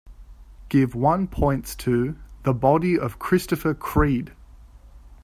Give one points to The Body of Christopher Creed